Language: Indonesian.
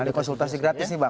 ada konsultasi gratis nih bang